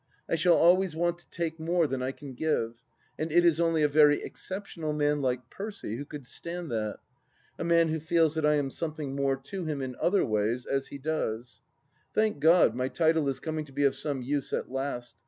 I shall always want to take more than I can give, and it is only a very exceptional man like Percy who could stand that — a man who feels that I am something more to him in other ways, as he does. Thank God my title is coming to be of some use at last.